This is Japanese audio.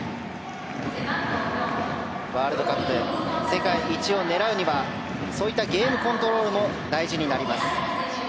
ワールドカップ世界一を狙うにはそういったゲームコントロールも大事になります。